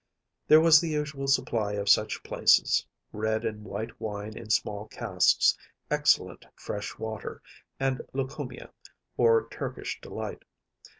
There was the usual supply of such places‚ÄĒred and white wine in small casks, excellent fresh water, and lucumia, or Turkish delight.